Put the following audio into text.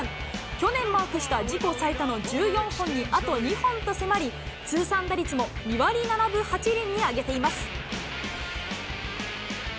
去年マークした自己最多の１４本にあと２本と迫り、通算打率も２割７分８厘に上げています。